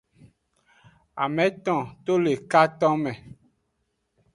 Ameto to le katonme.